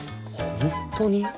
本当に？